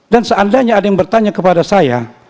dan seandainya ada yang bertanya kepada saya